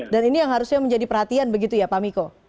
dan ini yang harusnya menjadi perhatian begitu ya pak miko